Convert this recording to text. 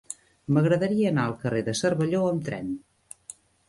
M'agradaria anar al carrer de Cervelló amb tren.